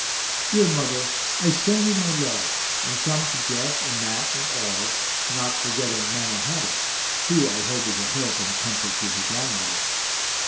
Dear mother, I send you my love, and some to Jeff and Mat and all, not forgetting Mannahatta (who I hope is a help and comfort to her grandmother).